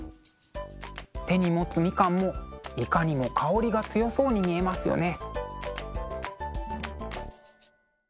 手に持つみかんもいかにも香りが強そうに見えますよね。